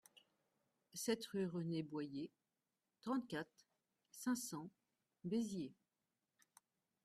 sept rue René Boyer, trente-quatre, cinq cents, Béziers